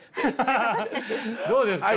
どうですか？